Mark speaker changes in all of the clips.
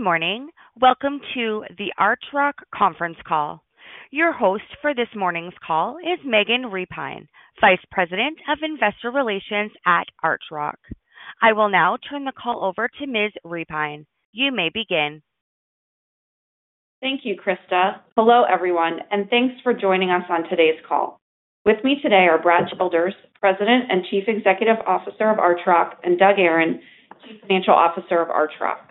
Speaker 1: Good morning. Welcome to the Archrock conference call. Your host for this morning's call is Megan Repine, Vice President of Investor Relations at Archrock. I will now turn the call over to Ms. Repine. You may begin.
Speaker 2: Thank you, Krista. Hello, everyone, and thanks for joining us on today's call. With me today are Brad Childers, President and Chief Executive Officer of Archrock, and Doug Aron, Chief Financial Officer of Archrock.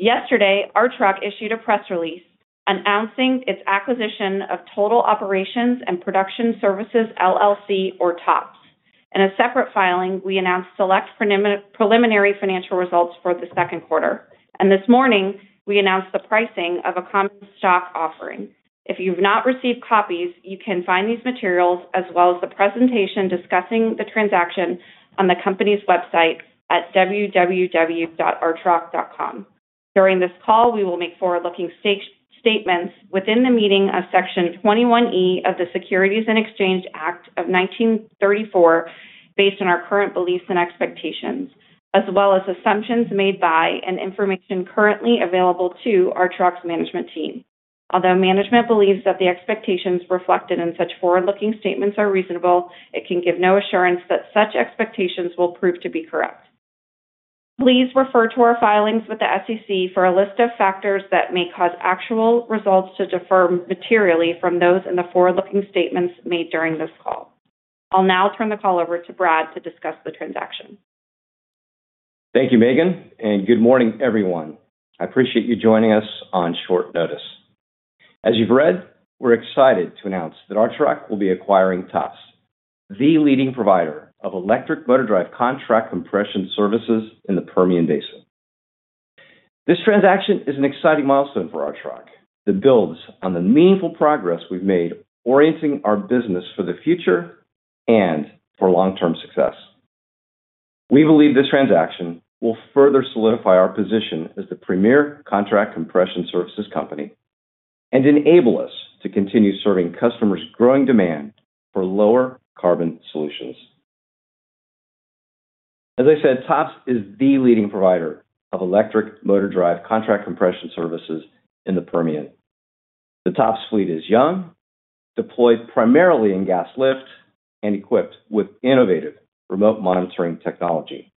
Speaker 2: Yesterday, Archrock issued a press release announcing its acquisition of Total Operations and Production Services, LLC or TOPS. In a separate filing, we announced select preliminary financial results for the second quarter, and this morning, we announced the pricing of a common stock offering. If you've not received copies, you can find these materials, as well as the presentation discussing the transaction, on the company's website at www.archrock.com. During this call, we will make forward-looking statements within the meaning of Section 21E of the Securities Exchange Act of 1934, based on our current beliefs and expectations, as well as assumptions made by and information currently available to Archrock's management team. Although management believes that the expectations reflected in such forward-looking statements are reasonable, it can give no assurance that such expectations will prove to be correct. Please refer to our filings with the SEC for a list of factors that may cause actual results to differ materially from those in the forward-looking statements made during this call. I'll now turn the call over to Brad to discuss the transaction.
Speaker 3: Thank you, Megan, and good morning, everyone. I appreciate you joining us on short notice. As you've read, we're excited to announce that Archrock will be acquiring TOPS, the leading provider of electric motor drive contract compression services in the Permian Basin. This transaction is an exciting milestone for Archrock that builds on the meaningful progress we've made orienting our business for the future and for long-term success. We believe this transaction will further solidify our position as the premier contract compression services company and enable us to continue serving customers' growing demand for lower carbon solutions. As I said, TOPS is the leading provider of electric motor drive contract compression services in the Permian. The TOPS fleet is young, deployed primarily in gas lift and equipped with innovative remote monitoring technology.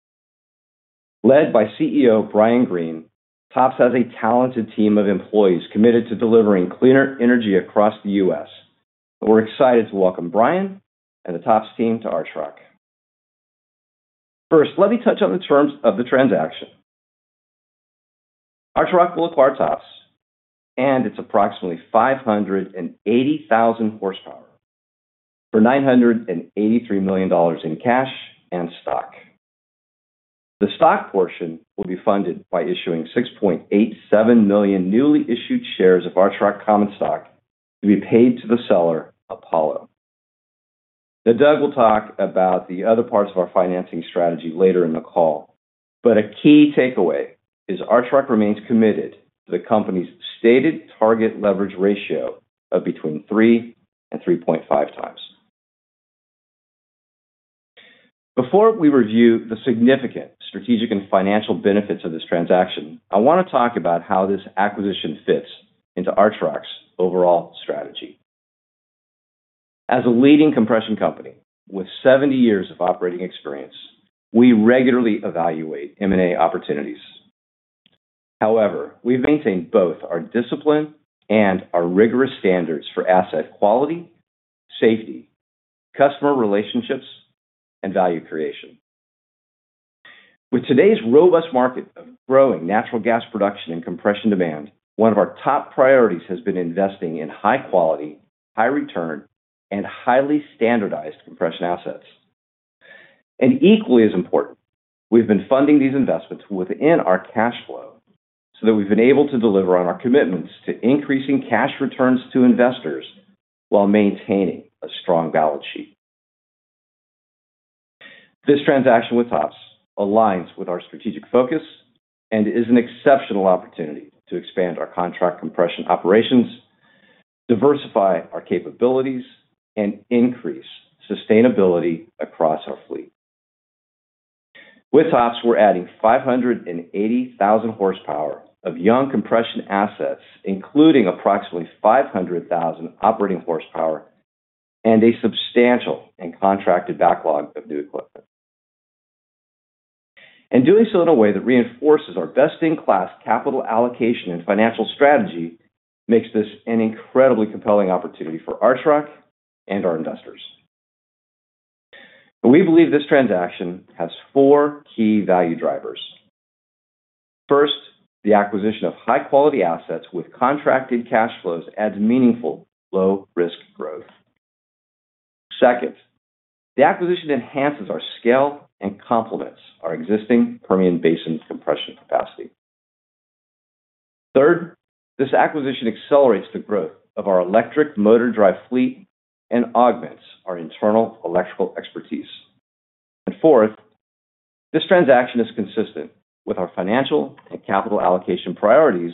Speaker 3: Led by CEO Brian Green, TOPS has a talented team of employees committed to delivering cleaner energy across the U.S. We're excited to welcome Brian and the TOPS team to Archrock. First, let me touch on the terms of the transaction. Archrock will acquire TOPS and its approximately 580,000 horsepower for $983 million in cash and stock. The stock portion will be funded by issuing 6.87 million newly issued shares of Archrock common stock to be paid to the seller, Apollo. Now, Doug will talk about the other parts of our financing strategy later in the call, but a key takeaway is Archrock remains committed to the company's stated target leverage ratio of between 3-3.5x. Before we review the significant strategic and financial benefits of this transaction, I want to talk about how this acquisition fits into Archrock's overall strategy. As a leading compression company with 70 years of operating experience, we regularly evaluate M&A opportunities. However, we've maintained both our discipline and our rigorous standards for asset quality, safety, customer relationships, and value creation. With today's robust market of growing natural gas production and compression demand, one of our top priorities has been investing in high quality, high return, and highly standardized compression assets. Equally as important, we've been funding these investments within our cash flow so that we've been able to deliver on our commitments to increasing cash returns to investors while maintaining a strong balance sheet. This transaction with TOPS aligns with our strategic focus and is an exceptional opportunity to expand our contract compression operations, diversify our capabilities, and increase sustainability across our fleet. With TOPS, we're adding 580,000 horsepower of young compression assets, including approximately 500,000 operating horsepower and a substantial and contracted backlog of new equipment. And doing so in a way that reinforces our best-in-class capital allocation and financial strategy makes this an incredibly compelling opportunity for Archrock and our investors. We believe this transaction has four key value drivers. First, the acquisition of high-quality assets with contracted cash flows adds meaningful, low-risk growth. Second, the acquisition enhances our scale and complements our existing Permian Basin compression capacity. Third, this acquisition accelerates the growth of our electric motor drive fleet and augments our internal electrical expertise. And fourth, this transaction is consistent with our financial and capital allocation priorities,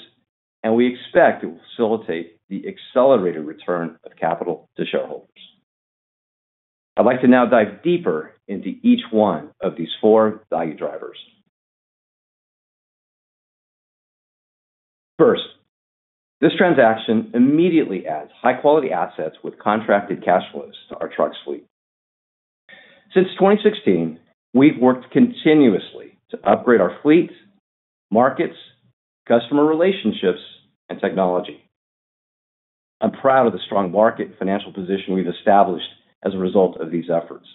Speaker 3: and we expect it will facilitate the accelerated return of capital to shareholders. I'd like to now dive deeper into each one of these four value drivers. First, this transaction immediately adds high-quality assets with contracted cash flows to Archrock's fleet. Since 2016, we've worked continuously to upgrade our fleet, markets, customer relationships, and technology. I'm proud of the strong market financial position we've established as a result of these efforts,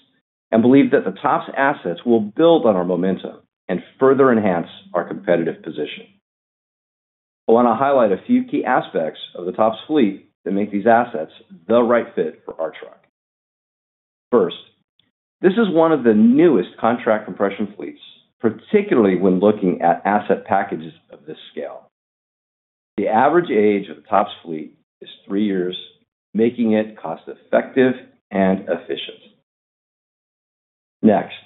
Speaker 3: and believe that the TOPS assets will build on our momentum and further enhance our competitive position. I want to highlight a few key aspects of the TOPS fleet that make these assets the right fit for Archrock. First, this is one of the newest contract compression fleets, particularly when looking at asset packages of this scale. The average age of the TOPS fleet is three years, making it cost-effective and efficient. Next,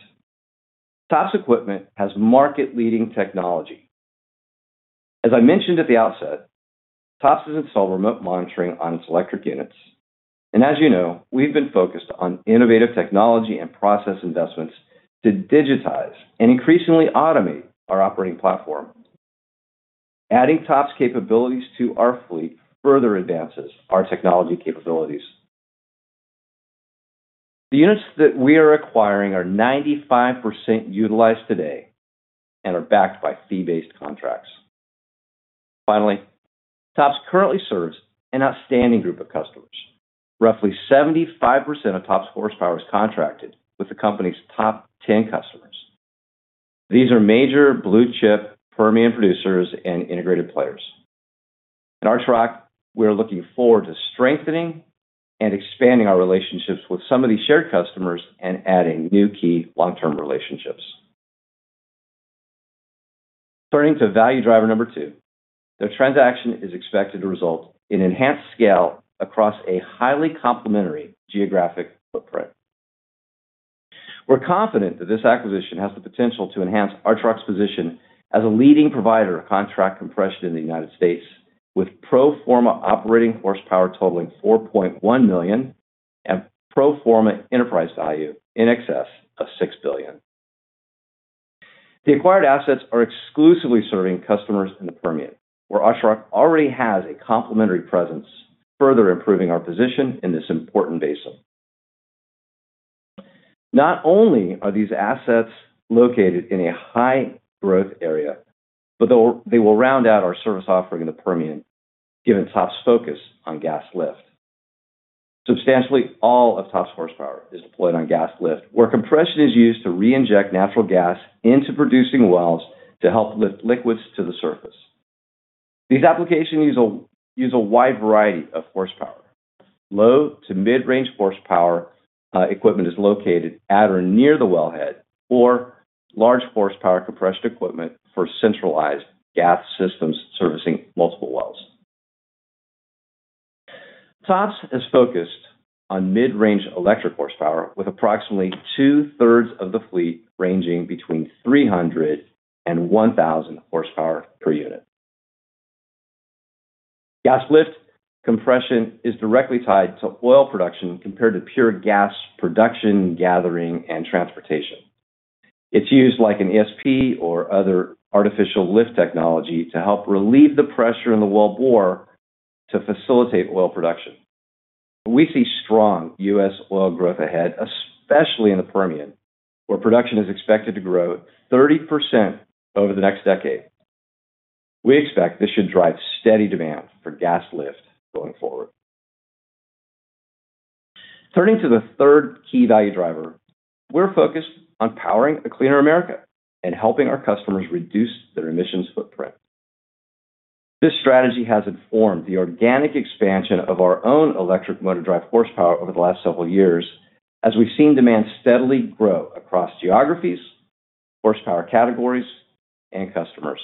Speaker 3: TOPS equipment has market-leading technology. As I mentioned at the outset, TOPS doesn't sell remote monitoring on its electric units, and as you know, we've been focused on innovative technology and process investments to digitize and increasingly automate our operating platform. Adding TOPS capabilities to our fleet further advances our technology capabilities. The units that we are acquiring are 95% utilized today and are backed by fee-based contracts. Finally, TOPS currently serves an outstanding group of customers. Roughly 75% of TOPS horsepower is contracted with the company's top 10 customers. These are major blue-chip Permian producers and integrated players. At Archrock, we are looking forward to strengthening and expanding our relationships with some of these shared customers and adding new key long-term relationships. Turning to value driver number two, the transaction is expected to result in enhanced scale across a highly complementary geographic footprint. We're confident that this acquisition has the potential to enhance our Archrock's position as a leading provider of contract compression in the United States, with pro forma operating horsepower totaling 4.1 million and pro forma enterprise value in excess of $6 billion. The acquired assets are exclusively serving customers in the Permian, where Archrock already has a complementary presence, further improving our position in this important basin. Not only are these assets located in a high-growth area, but they will, they will round out our service offering in the Permian, given TOPS focus on gas lift. Substantially, all of TOPS horsepower is deployed on gas lift, where compression is used to reinject natural gas into producing wells to help lift liquids to the surface. These applications use a wide variety of horsepower. Low to mid-range horsepower equipment is located at or near the wellhead, or large horsepower compressed equipment for centralized gas systems servicing multiple wells. TOPS has focused on mid-range electric horsepower, with approximately two-thirds of the fleet ranging between 300 and 1,000 horsepower per unit. Gas lift compression is directly tied to oil production compared to pure gas production, gathering, and transportation. It's used like an ESP or other artificial lift technology to help relieve the pressure in the wellbore to facilitate oil production. We see strong U.S. oil growth ahead, especially in the Permian, where production is expected to grow 30% over the next decade. We expect this should drive steady demand for gas lift going forward. Turning to the third key value driver, we're focused on powering a cleaner America and helping our customers reduce their emissions footprint. This strategy has informed the organic expansion of our own electric motor drive horsepower over the last several years as we've seen demand steadily grow across geographies, horsepower categories, and customers.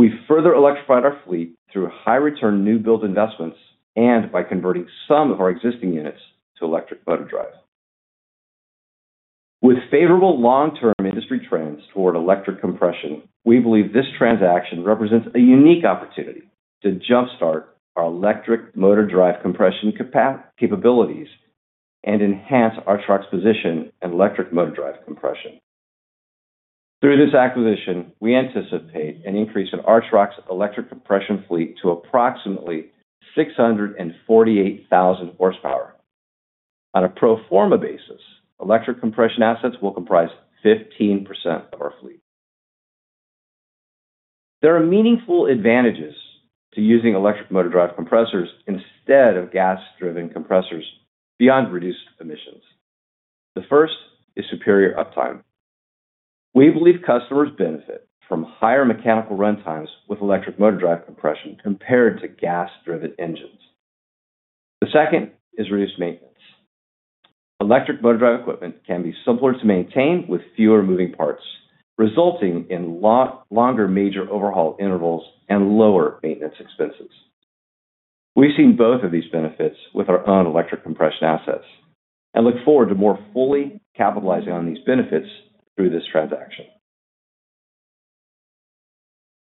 Speaker 3: We've further electrified our fleet through high-return new build investments and by converting some of our existing units to electric motor drive. With favorable long-term industry trends toward electric compression, we believe this transaction represents a unique opportunity to jumpstart our electric motor drive compression capabilities and enhance our trucks' position and electric motor drive compression. Through this acquisition, we anticipate an increase in Archrock's electric compression fleet to approximately 648,000 horsepower. On a pro forma basis, electric compression assets will comprise 15% of our fleet. There are meaningful advantages to using electric motor drive compressors instead of gas-driven compressors beyond reduced emissions. The first is superior uptime. We believe customers benefit from higher mechanical runtimes with electric motor drive compression compared to gas-driven engines. The second is reduced maintenance. Electric motor drive equipment can be simpler to maintain with fewer moving parts, resulting in a lot longer major overhaul intervals and lower maintenance expenses. We've seen both of these benefits with our own electric compression assets and look forward to more fully capitalizing on these benefits through this transaction.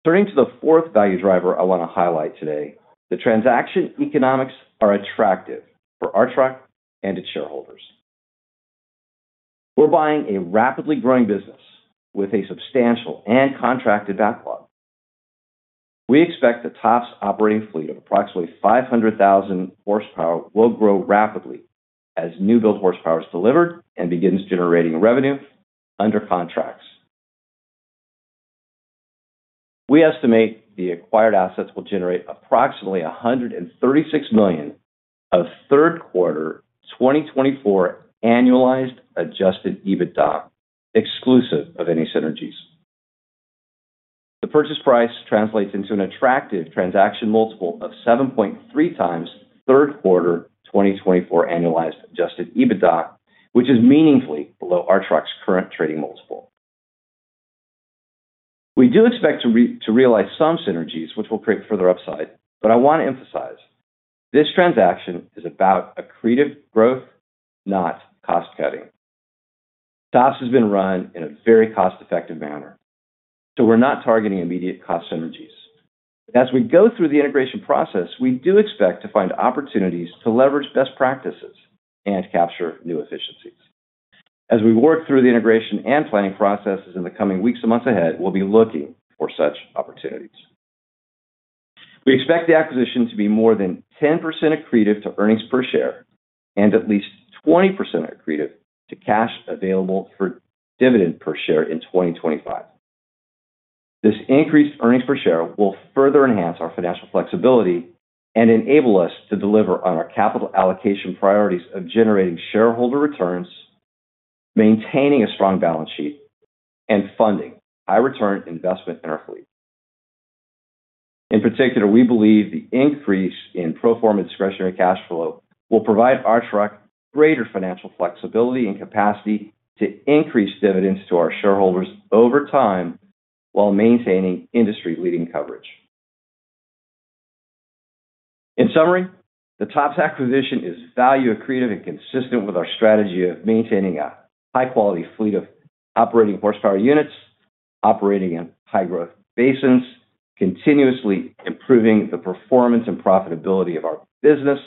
Speaker 3: Turning to the fourth value driver I want to highlight today, the transaction economics are attractive for Archrock and its shareholders. We're buying a rapidly growing business with a substantial and contracted backlog. We expect the TOPS operating fleet of approximately 500,000 horsepower will grow rapidly as new build horsepower is delivered and begins generating revenue under contracts. We estimate the acquired assets will generate approximately $136 million of third quarter 2024 annualized Adjusted EBITDA, exclusive of any synergies. The purchase price translates into an attractive transaction multiple of 7.3x third quarter 2024 annualized Adjusted EBITDA, which is meaningfully below Archrock's current trading multiple. We do expect to realize some synergies, which will create further upside, but I want to emphasize this transaction is about accretive growth, not cost cutting. TOPS has been run in a very cost-effective manner, so we're not targeting immediate cost synergies. As we go through the integration process, we do expect to find opportunities to leverage best practices and capture new efficiencies. As we work through the integration and planning processes in the coming weeks and months ahead, we'll be looking for such opportunities. We expect the acquisition to be more than 10% accretive to earnings per share and at least 20% accretive to cash available for dividend per share in 2025. This increased earnings per share will further enhance our financial flexibility and enable us to deliver on our capital allocation priorities of generating shareholder returns, maintaining a strong balance sheet, and funding high return investment in our fleet. In particular, we believe the increase in pro forma discretionary cash flow will provide Archrock greater financial flexibility and capacity to increase dividends to our shareholders over time, while maintaining industry-leading coverage. In summary, the TOPS acquisition is value accretive and consistent with our strategy of maintaining a high-quality fleet of operating horsepower units, operating in high-growth basins, continuously improving the performance and profitability of our business,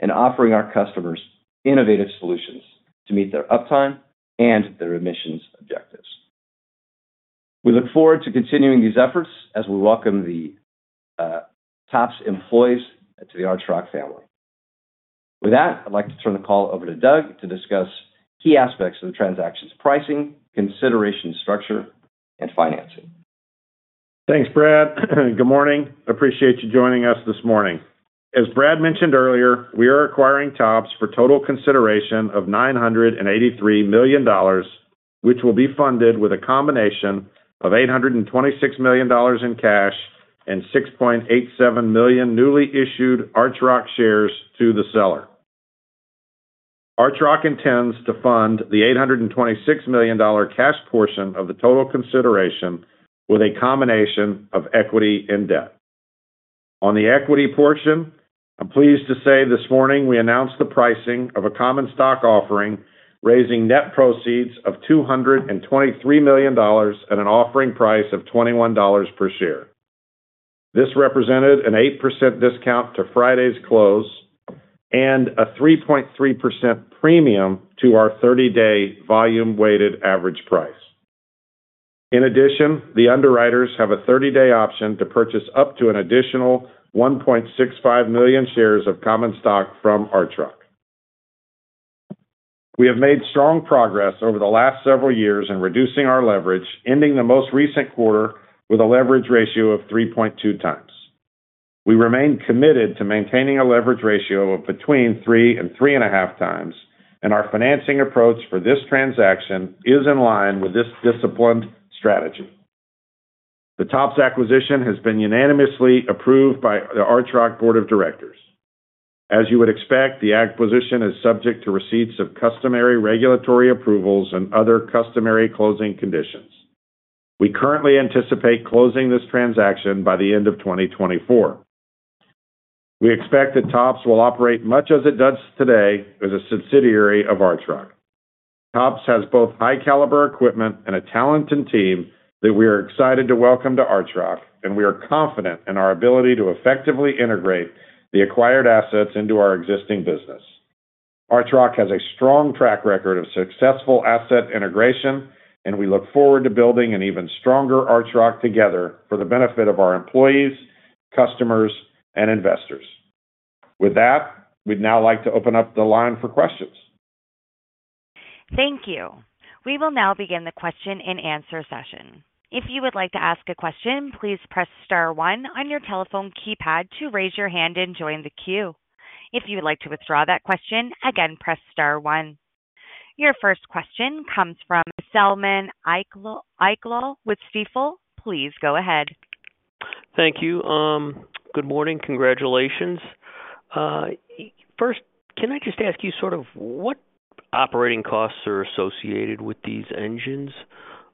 Speaker 3: and offering our customers innovative solutions to meet their uptime and their emissions objectives. We look forward to continuing these efforts as we welcome the TOPS employees to the Archrock family. With that, I'd like to turn the call over to Doug to discuss key aspects of the transaction's pricing, consideration structure, and financing.
Speaker 4: Thanks, Brad. Good morning. Appreciate you joining us this morning. As Brad mentioned earlier, we are acquiring TOPS for total consideration of $983 million, which will be funded with a combination of $826 million in cash and 6.87 million newly issued Archrock shares to the seller. Archrock intends to fund the $826 million cash portion of the total consideration with a combination of equity and debt. On the equity portion, I'm pleased to say this morning, we announced the pricing of a common stock offering, raising net proceeds of $223 million at an offering price of $21 per share. This represented an 8% discount to Friday's close and a 3.3% premium to our 30-day volume-weighted average price. In addition, the underwriters have a 30-day option to purchase up to an additional 1.65 million shares of common stock from Archrock. We have made strong progress over the last several years in reducing our leverage, ending the most recent quarter with a leverage ratio of 3.2x. We remain committed to maintaining a leverage ratio of between 3x and 3.5x, and our financing approach for this transaction is in line with this disciplined strategy. The TOPS acquisition has been unanimously approved by the Archrock board of directors. As you would expect, the acquisition is subject to receipts of customary regulatory approvals and other customary closing conditions. We currently anticipate closing this transaction by the end of 2024. We expect that TOPS will operate much as it does today, as a subsidiary of Archrock. TOPS has both high caliber equipment and a talented team that we are excited to welcome to Archrock, and we are confident in our ability to effectively integrate the acquired assets into our existing business. Archrock has a strong track record of successful asset integration, and we look forward to building an even stronger Archrock together for the benefit of our employees, customers, and investors. With that, we'd now like to open up the line for questions.
Speaker 1: Thank you. We will now begin the question-and-answer session. If you would like to ask a question, please press star one on your telephone keypad to raise your hand and join the queue. If you would like to withdraw that question, again, press star one. Your first question comes from Selman Akyol with Stifel. Please go ahead.
Speaker 5: Thank you. Good morning. Congratulations. First, can I just ask you sort of what operating costs are associated with these engines,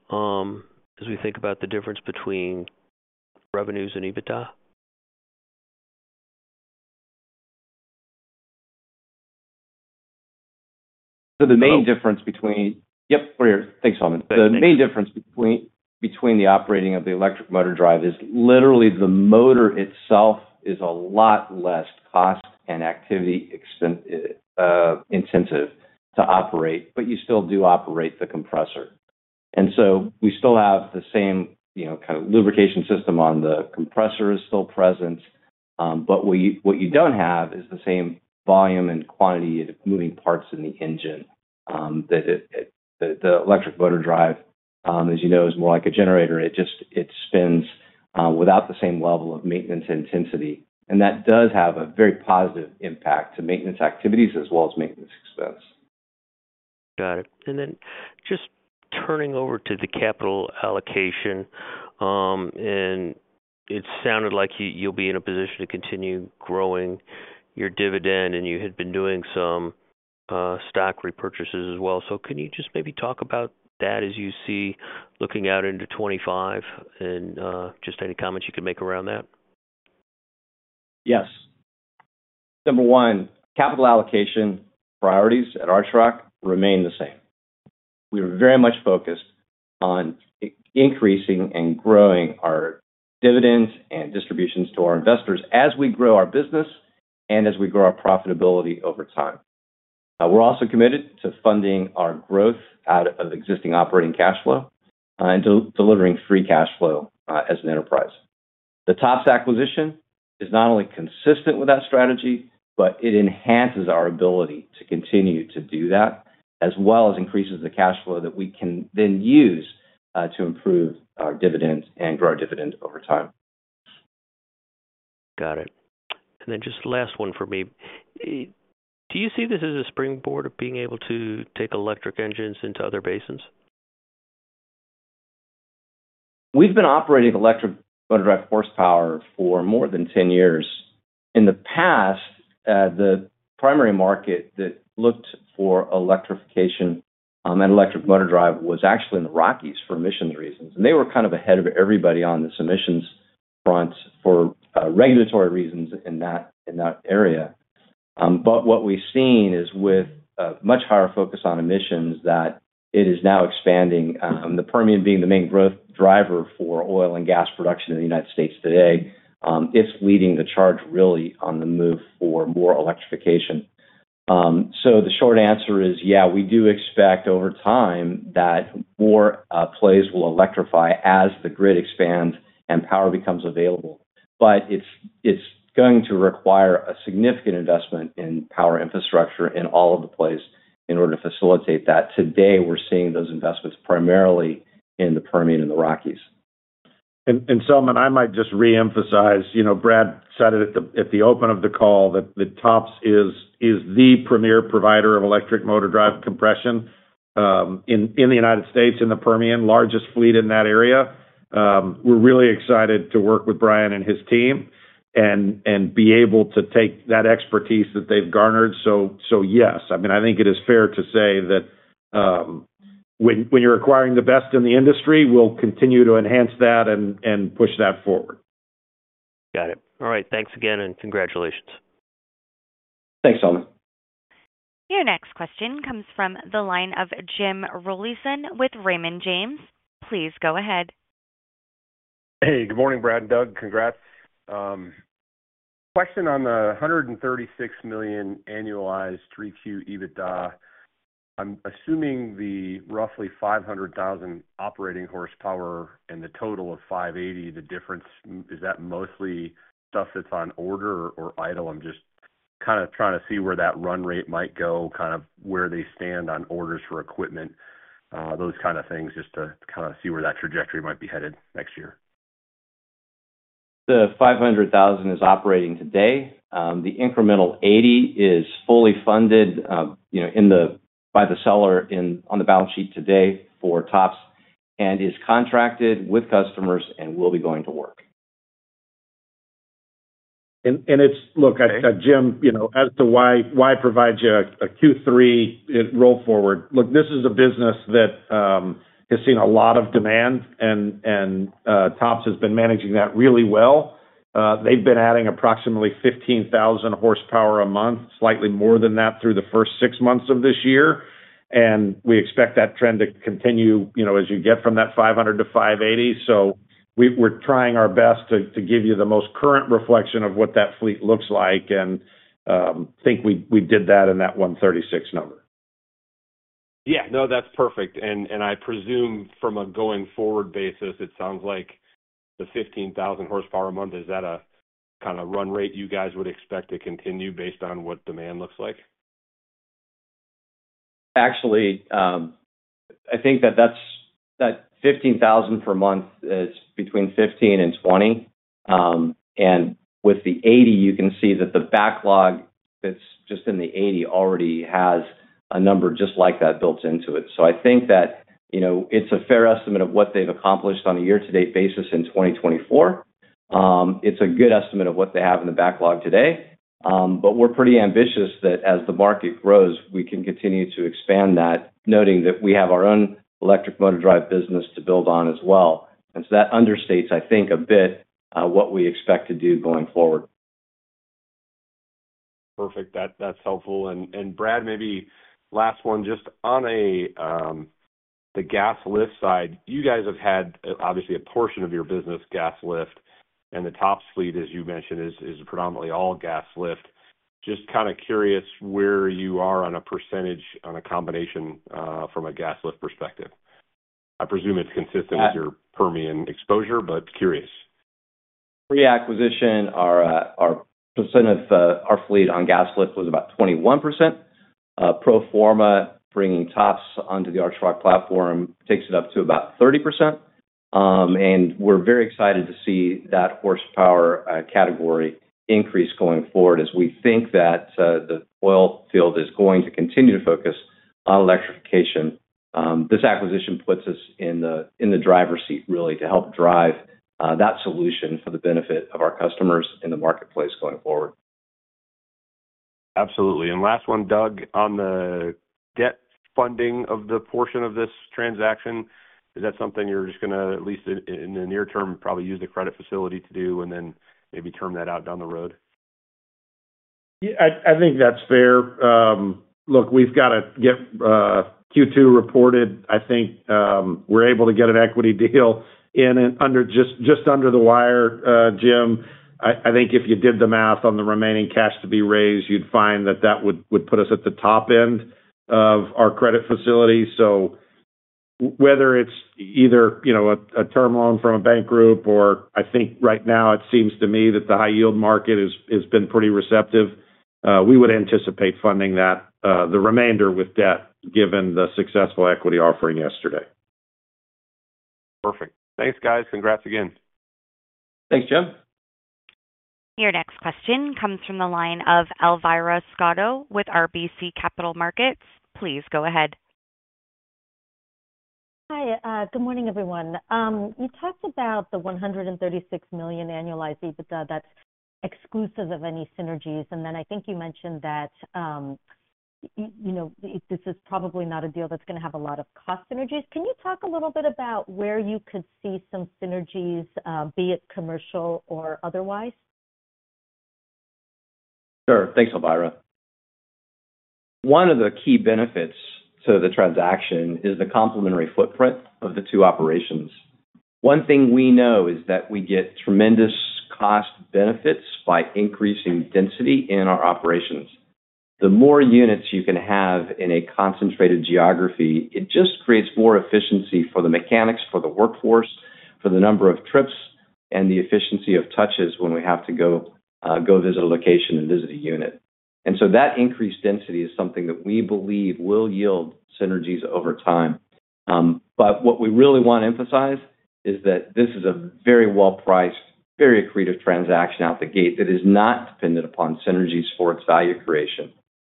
Speaker 5: as we think about the difference between revenues and EBITDA?
Speaker 3: So, the main difference between-- yep, go ahead. Thanks, Selman. The main difference between the operating of the electric motor drive is literally the motor itself is a lot less cost and activity intensive to operate, but you still do operate the compressor. And so, we still have the same, you know, kind of lubrication system on the compressor is still present, but what you don't have is the same volume and quantity of moving parts in the engine, that the electric motor drive, as you know, is more like a generator. It just spins without the same level of maintenance intensity, and that does have a very positive impact to maintenance activities as well as maintenance expense.
Speaker 5: Got it. And then just turning over to the capital allocation, and it sounded like you, you'll be in a position to continue growing your dividend, and you had been doing some, stock repurchases as well. So, can you just maybe talk about that as you see looking out into 25 and, just any comments you can make around that?
Speaker 3: Yes. Number one, capital allocation priorities at Archrock remain the same. We are very much focused on increasing and growing our dividends and distributions to our investors as we grow our business and as we grow our profitability over time. We're also committed to funding our growth out of existing operating cash flow, and delivering free cash flow, as an enterprise. The TOPS acquisition is not only consistent with that strategy, but it enhances our ability to continue to do that, as well as increases the cash flow that we can then use, to improve our dividends and grow dividends over time.
Speaker 5: Got it. And then just last one for me: do you see this as a springboard of being able to take electric engines into other basins?
Speaker 3: We've been operating electric motor drive horsepower for more than 10 years. In the past, the primary market that looked for electrification and electric motor drive was actually in the Rockies for emissions reasons, and they were kind of ahead of everybody on this emissions front for regulatory reasons in that area. But what we've seen is, with a much higher focus on emissions, that it is now expanding. The Permian being the main growth driver for oil and gas production in the United States today, it's leading the charge, really, on the move for more electrification. So, the short answer is, yeah, we do expect over time that more plays will electrify as the grid expands and power becomes available. But it's going to require a significant investment in power infrastructure in all of the plays in order to facilitate that. Today, we're seeing those investments primarily in the Permian and the Rockies.
Speaker 4: Selman, I might just reemphasize, you know, Brad said it at the open of the call, that the TOPS is the premier provider of electric motor drive compression in the United States, in the Permian, largest fleet in that area. We're really excited to work with Brian and his team and be able to take that expertise that they've garnered. Yes, I mean, I think it is fair to say that, when you're acquiring the best in the industry, we'll continue to enhance that and push that forward.
Speaker 5: Got it. All right. Thanks again, and congratulations.
Speaker 3: Thanks, Selman.
Speaker 1: Your next question comes from the line of Jim Rollyson with Raymond James. Please go ahead.
Speaker 6: Hey, good morning, Brad and Doug. Congrats. Question on the $136 million annualized 3Q EBITDA. I'm assuming the roughly 500,000 operating horsepower and the total of 580,000, the difference, is that mostly stuff that's on order or idle? I'm just kinda trying to see where that run rate might go, kind of where they stand on orders for equipment, those kind of things, just to kinda see where that trajectory might be headed next year.
Speaker 3: The 500,000 is operating today. The incremental 80 is fully funded, you know, by the seller on the balance sheet today for TOPS, and is contracted with customers and will be going to work.
Speaker 4: Look, Jim, you know, as to why provide you a Q3 roll forward? Look, this is a business that has seen a lot of demand, and TOPS has been managing that really well. They've been adding approximately 15,000 horsepower a month, slightly more than that through the first six months of this year, and we expect that trend to continue, you know, as you get from that 500 to 580. So we're trying our best to give you the most current reflection of what that fleet looks like and think we did that in that 136 number.
Speaker 6: Yeah. No, that's perfect. And, and I presume from a going-forward basis, it sounds like the 15,000 horsepower a month, is that a kinda run rate you guys would expect to continue based on what demand looks like?
Speaker 3: Actually, I think that that's, that 15,000 per month is between 15 and 20. And with the 80, you can see that the backlog that's just in the 80 already has a number just like that built into it. So I think that, you know, it's a fair estimate of what they've accomplished on a year-to-date basis in 2024. It's a good estimate of what they have in the backlog today. But we're pretty ambitious that as the market grows, we can continue to expand that, noting that we have our own electric motor drive business to build on as well. And so that understates, I think, a bit, what we expect to do going forward.
Speaker 6: Perfect. That, that's helpful. And, Brad, maybe last one, just on the Gas lift side, you guys have had, obviously, a portion of your business, Gas lift, and the TOPS fleet, as you mentioned, is predominantly all Gas lift. Just kind of curious where you are on a percentage on a combination from a Gas lift perspective. I presume it's consistent with your Permian exposure, but curious.
Speaker 3: Pre-acquisition, our percent of our fleet on gas lift was about 21%. Pro forma, bringing TOPS onto the Archrock platform takes it up to about 30%. And we're very excited to see that horsepower category increase going forward, as we think that the oil field is going to continue to focus on electrification. This acquisition puts us in the driver's seat, really, to help drive that solution for the benefit of our customers in the marketplace going forward.
Speaker 6: Absolutely. Last one, Doug, on the debt funding of the portion of this transaction, is that something you're just gonna, at least in the near term, probably use the credit facility to do and then maybe term that out down the road?
Speaker 4: Yeah, I think that's fair. Look, we've got to get Q2 reported. I think we're able to get an equity deal in just under the wire, Jim. I think if you did the math on the remaining cash to be raised, you'd find that that would put us at the top end of our credit facility. So whether it's either, you know, a term loan from a bank group or I think right now it seems to me that the high yield market has been pretty receptive, we would anticipate funding that the remainder with debt, given the successful equity offering yesterday.
Speaker 6: Perfect. Thanks, guys. Congrats again.
Speaker 3: Thanks, Jim.
Speaker 1: Your next question comes from the line of Elvira Scotto with RBC Capital Markets. Please go ahead.
Speaker 7: Hi, good morning, everyone. You talked about the $136 million annualized EBITDA that's exclusive of any synergies, and then I think you mentioned that, you know, this is probably not a deal that's gonna have a lot of cost synergies. Can you talk a little bit about where you could see some synergies, be it commercial or otherwise?
Speaker 3: Sure. Thanks, Elvira. One of the key benefits to the transaction is the complementary footprint of the two operations. One thing we know is that we get tremendous cost benefits by increasing density in our operations. The more units you can have in a concentrated geography, it just creates more efficiency for the mechanics, for the workforce, for the number of trips, and the efficiency of touches when we have to go, go visit a location and visit a unit. And so that increased density is something that we believe will yield synergies over time. But what we really want to emphasize is that this is a very well-priced, very accretive transaction out the gate that is not dependent upon synergies for its value creation.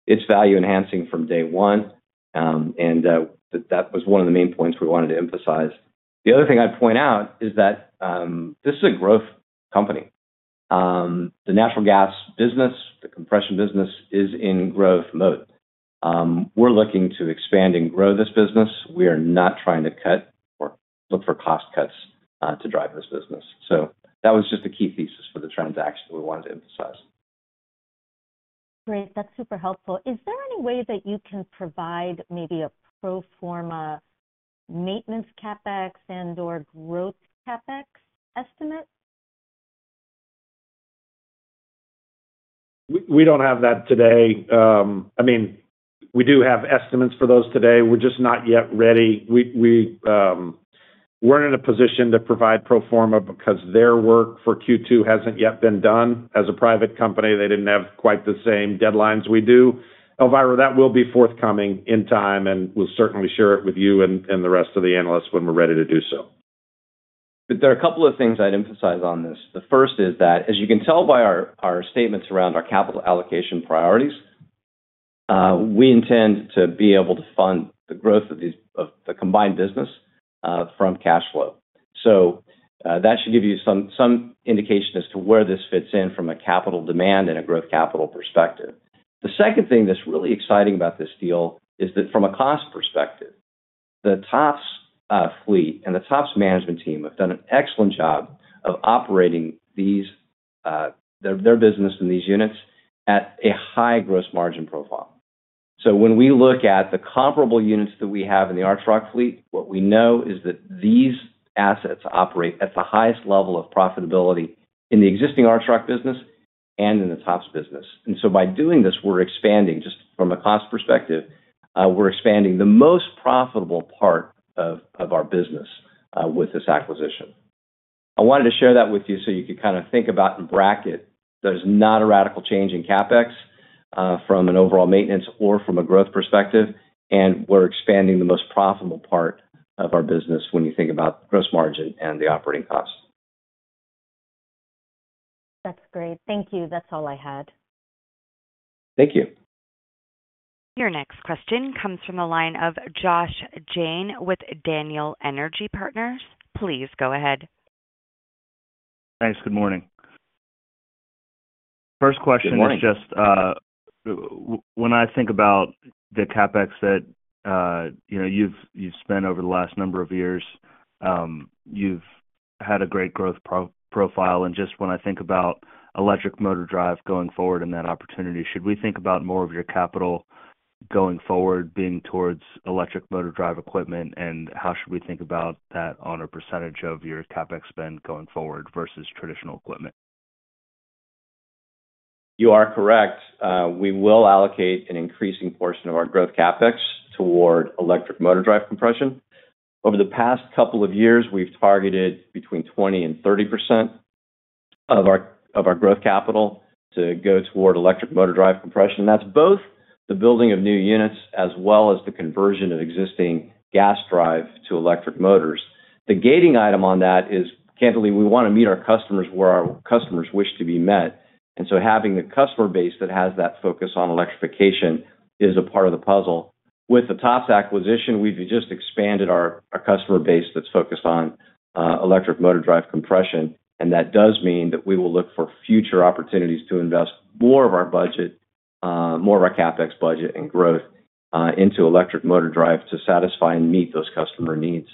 Speaker 3: It's value-enhancing from day one, and that was one of the main points we wanted to emphasize. The other thing I'd point out is that, this is a growth company. The natural gas business, the compression business, is in growth mode. We're looking to expand and grow this business. We are not trying to cut or look for cost cuts, to drive this business. So that was just a key thesis for the transaction we wanted to emphasize.
Speaker 7: Great. That's super helpful. Is there any way that you can provide maybe a pro forma maintenance CapEx and/or growth CapEx estimate?
Speaker 4: We don't have that today. I mean, we do have estimates for those today. We're just not yet ready. We weren't in a position to provide pro forma because their work for Q2 hasn't yet been done. As a private company, they didn't have quite the same deadlines we do. Elvira, that will be forthcoming in time, and we'll certainly share it with you and the rest of the analysts when we're ready to do so.
Speaker 3: But there are a couple of things I'd emphasize on this. The first is that, as you can tell by our, our statements around our capital allocation priorities, we intend to be able to fund the growth of these of the combined business from cash flow. So, that should give you some, some indication as to where this fits in from a capital demand and a growth capital perspective. The second thing that's really exciting about this deal is that from a cost perspective, the TOPS fleet and the TOPS management team have done an excellent job of operating these their, their business and these units at a high gross margin profile. So when we look at the comparable units that we have in the Archrock fleet, what we know is that these assets operate at the highest level of profitability in the existing Archrock business and in the TOPS business. And so by doing this, we're expanding, just from a cost perspective, we're expanding the most profitable part of our business with this acquisition. I wanted to share that with you so you could kind of think about and bracket. There's not a radical change in CapEx from an overall maintenance or from a growth perspective, and we're expanding the most profitable part of our business when you think about gross margin and the operating costs.
Speaker 7: That's great. Thank you. That's all I had.
Speaker 3: Thank you.
Speaker 1: Your next question comes from the line of Josh Jayne with Daniel Energy Partners. Please go ahead.
Speaker 8: Thanks. Good morning. First question-
Speaker 3: Good morning.
Speaker 8: This is just, when I think about the CapEx that, you know, you've spent over the last number of years, you've had a great growth profile. And just when I think about electric motor drive going forward and that opportunity, should we think about more of your capital going forward being towards electric motor drive equipment? And how should we think about that on a percentage of your CapEx spend going forward versus traditional equipment?
Speaker 3: You are correct. We will allocate an increasing portion of our growth CapEx toward electric motor drive compression. Over the past couple of years, we've targeted between 20% and 30% of our, of our growth capital to go toward electric motor drive compression. And that's both the building of new units, as well as the conversion of existing gas drive to electric motors. The gating item on that is, candidly, we want to meet our customers where our customers wish to be met. And so having the customer base that has that focus on electrification is a part of the puzzle. With the TOPS acquisition, we've just expanded our customer base that's focused on electric motor drive compression, and that does mean that we will look for future opportunities to invest more of our budget, more of our CapEx budget and growth, into electric motor drive to satisfy and meet those customer needs.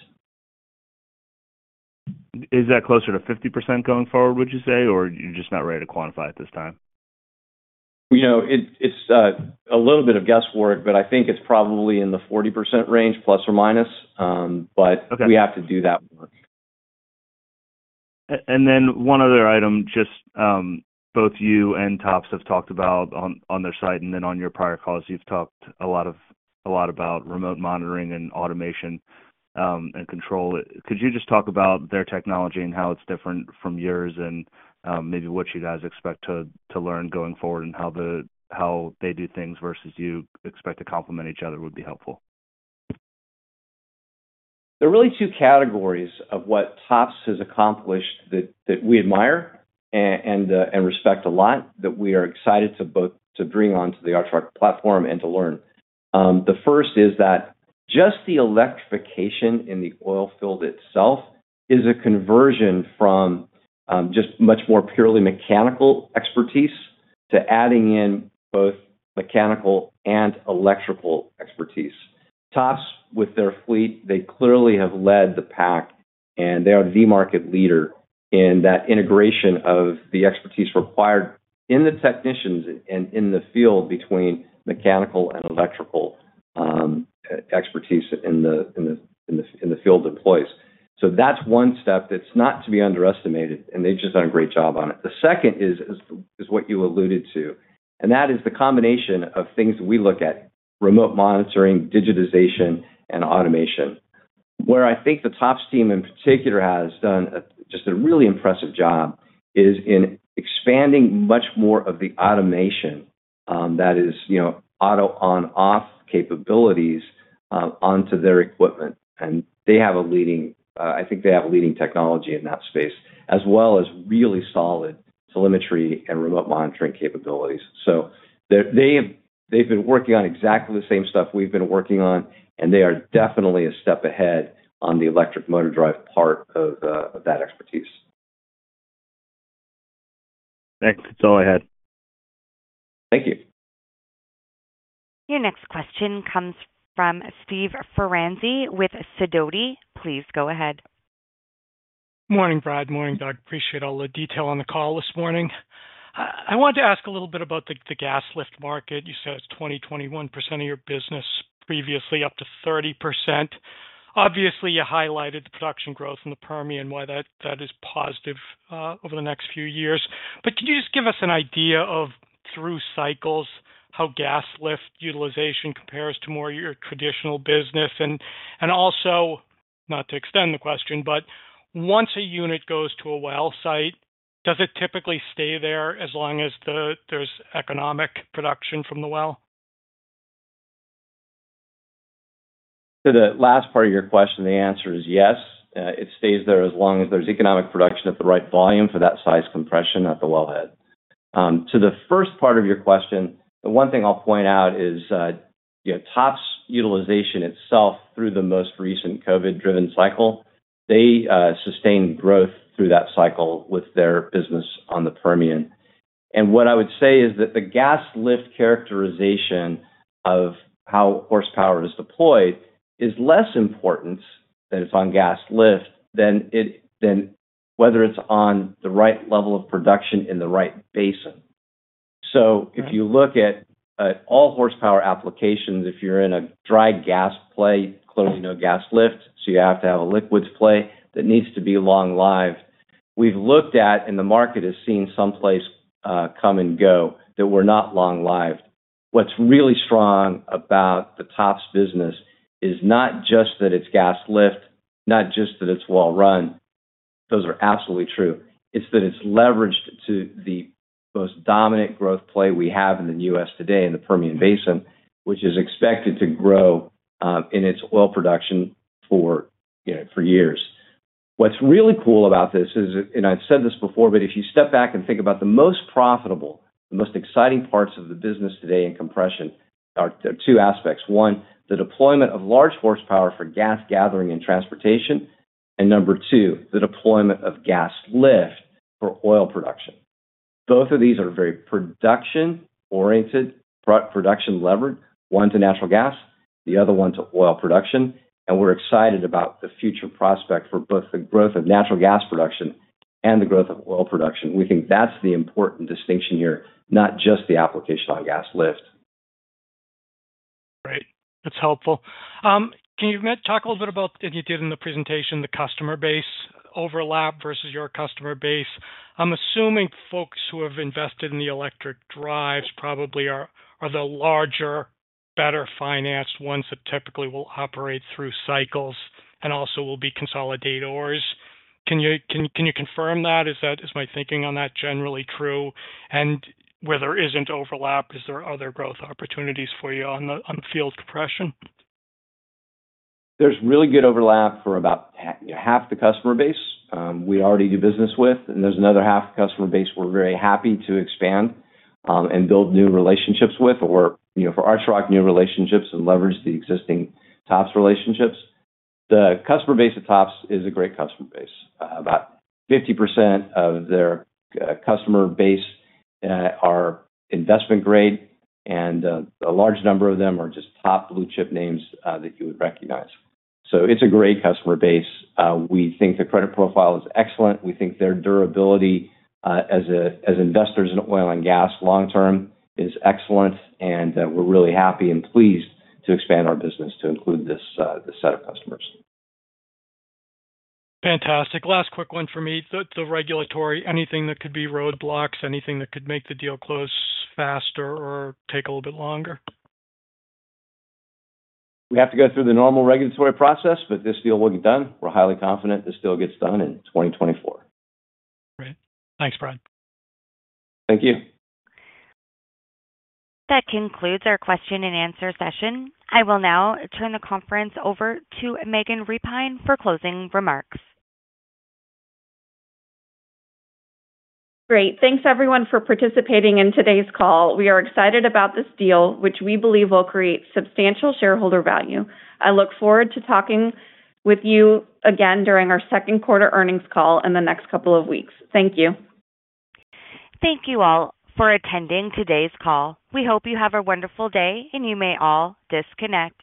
Speaker 8: Is that closer to 50% going forward, would you say, or you're just not ready to quantify at this time?
Speaker 3: You know, it, it's a little bit of guesswork, but I think it's probably in the 40% range, ±. But-
Speaker 8: Okay.
Speaker 3: We have to do that work.
Speaker 8: And then one other item, just, both you and TOPS have talked about on their side, and then on your prior calls, you've talked a lot about remote monitoring and automation and control. Could you just talk about their technology and how it's different from yours? And maybe what you guys expect to learn going forward and how they do things versus you expect to complement each other would be helpful.
Speaker 3: There are really two categories of what TOPS has accomplished that we admire and respect a lot, that we are excited to both bring onto the Archrock platform and to learn. The first is that just the electrification in the oil field itself is a conversion from just much more purely mechanical expertise to adding in both mechanical and electrical expertise. TOPS, with their fleet, they clearly have led the pack, and they are the market leader in that integration of the expertise required in the technicians and in the field between mechanical and electrical expertise in the field employees. So that's one step that's not to be underestimated, and they've just done a great job on it. The second is what you alluded to, and that is the combination of things we look at: remote monitoring, digitization, and automation. Where I think the TOPS team, in particular, has done a just a really impressive job, is in expanding much more of the automation, that is, you know, auto on/off capabilities, onto their equipment. And they have a leading, I think they have a leading technology in that space, as well as really solid telemetry and remote monitoring capabilities. So they've been working on exactly the same stuff we've been working on, and they are definitely a step ahead on the electric motor drive part of, of that expertise.
Speaker 8: Thanks. That's all I had.
Speaker 3: Thank you.
Speaker 1: Your next question comes from Steve Ferenz with Sidoti. Please go ahead.
Speaker 9: Morning, Brad. Morning, Doug. Appreciate all the detail on the call this morning. I wanted to ask a little bit about the gas lift market. You said it's 21% of your business, previously up to 30%. Obviously, you highlighted the production growth in the Permian and why that is positive over the next few years. But can you just give us an idea of, through cycles, how gas lift utilization compares to more of your traditional business? And also, not to extend the question, but once a unit goes to a well site, does it typically stay there as long as there's economic production from the well?
Speaker 3: To the last part of your question, the answer is yes. It stays there as long as there's economic production at the right volume for that size compression at the wellhead. To the first part of your question, the one thing I'll point out is, you know, TOPS utilization itself through the most recent COVID-driven cycle, they sustained growth through that cycle with their business on the Permian. And what I would say is that the gas lift characterization of how horsepower is deployed is less important than whether it's on the right level of production in the right basin. So if you look at all horsepower applications, if you're in a dry gas play, clearly no gas lift, so you have to have a liquids play that needs to be long lived. We've looked at, and the market has seen some plays come and go, that were not long lived. What's really strong about the TOPS business is not just that it's gas lift, not just that it's well run. Those are absolutely true. It's that it's leveraged to the most dominant growth play we have in the U.S. today, in the Permian Basin, which is expected to grow in its oil production for, you know, for years. What's really cool about this is, and I've said this before, but if you step back and think about the most profitable, the most exciting parts of the business today in compression are, there are two aspects: One, the deployment of large horsepower for gas gathering and transportation. And number two, the deployment of gas lift for oil production. Both of these are very production-oriented, production levered, one to natural gas, the other one to oil production. And we're excited about the future prospect for both the growth of natural gas production and the growth of oil production. We think that's the important distinction here, not just the application on gas lift.
Speaker 9: Great. That's helpful. Can you talk a little bit about, and you did in the presentation, the customer base overlap versus your customer base? I'm assuming folks who have invested in the electric drives probably are the larger, better financed ones that typically will operate through cycles and also will be consolidators. Can you confirm that? Is that my thinking on that generally true? And where there isn't overlap, is there other growth opportunities for you on the field compression?
Speaker 3: There's really good overlap for about half the customer base we already do business with, and there's another half the customer base we're very happy to expand and build new relationships with, or, you know, for Archrock, new relationships and leverage the existing TOPS relationships. The customer base at TOPS is a great customer base. About 50% of their customer base are investment grade, and a large number of them are just top blue chip names that you would recognize. So it's a great customer base. We think the credit profile is excellent. We think their durability as investors in oil and gas long term is excellent, and we're really happy and pleased to expand our business to include this set of customers.
Speaker 9: Fantastic. Last quick one for me. The regulatory, anything that could be roadblocks, anything that could make the deal close faster or take a little bit longer?
Speaker 3: We have to go through the normal regulatory process, but this deal will be done. We're highly confident this deal gets done in 2024.
Speaker 9: Great. Thanks, Brad.
Speaker 3: Thank you.
Speaker 1: That concludes our question and answer session. I will now turn the conference over to Megan Repine for closing remarks.
Speaker 2: Great. Thanks, everyone, for participating in today's call. We are excited about this deal, which we believe will create substantial shareholder value. I look forward to talking with you again during our second quarter earnings call in the next couple of weeks. Thank you.
Speaker 1: Thank you all for attending today's call. We hope you have a wonderful day, and you may all disconnect.